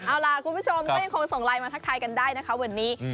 เอาล่ะคุณผู้ชมก็ยังคงส่งไลน์มาทักทายกันได้นะคะวันนี้